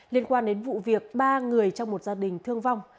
liên quan đến vụ việc ba người trong một gia đình thương vong